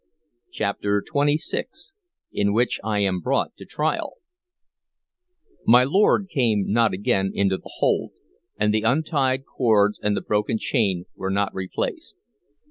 CHAPTER XXVI IN WHICH I AM BROUGHT TO TRIAL MY lord came not again into the hold, and the untied cords and the broken chain were not replaced.